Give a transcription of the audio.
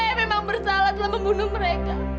yang memang bersalah telah membunuh mereka